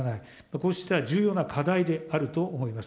こうした重要な課題であると思います。